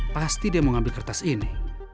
pasti dia mau ambil kertas ini